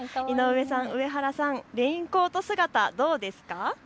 井上さん、上原さん、レインコート姿、どうですか。